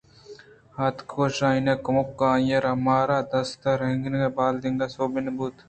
اتکءُ شاہین ءِ کُمکءَآئیءَرا مار ءِ دستءَ رکّہینگءُ بال دیئگءَ سوبین بُوت